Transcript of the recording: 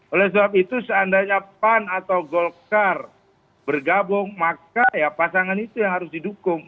oleh sebab itu seandainya pan atau golkar bergabung maka ya pasangan itu yang harus didukung